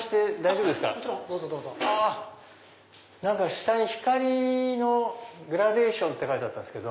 下に光のグラデーションって書いてあったんですけど。